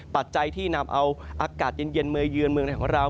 ปัจจัยที่นำเอาอากาศเย็นมาเยือนเมืองในของเรา